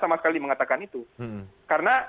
sama sekali mengatakan itu karena